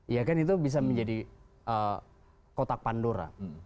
ya kan itu bisa menjadi kotak pandora